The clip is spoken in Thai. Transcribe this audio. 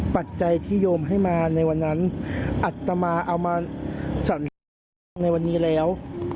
ปัจจัยที่โยมให้มาในวันนั้นอัตมาเอามาสัญลักษณ์ในวันนี้แล้ว